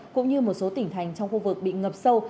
cũng như một số tỉnh thành trong khu vực bị ngập sâu